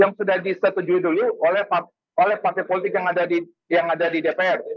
yang sudah disetujui dulu oleh partai politik yang ada di dpr